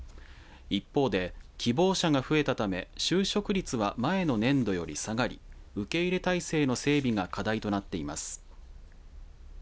一方で希望者が増えたため就職率は、前の年度より下がり受け入れ体制の整備が課題となっています。